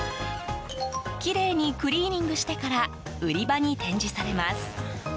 きれいにクリーニングしてから売り場に展示されます。